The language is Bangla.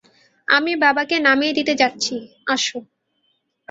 আমি বাবাকে নামিয়ে দিতে যাচ্ছি, আসো।